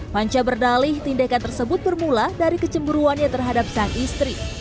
panca berdalih tindakan tersebut bermula dari kecemburuannya terhadap sang istri